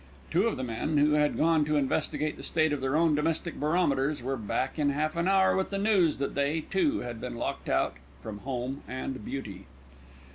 Two of the men, who had gone to investigate the state of their own domestic barometers, were back in half an hour with the news that they too had been locked out from home and beauty.